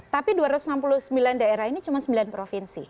tapi dua ratus enam puluh sembilan daerah ini cuma sembilan provinsi